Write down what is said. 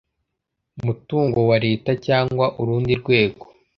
mutungo wa Leta cyangwa urundi rwego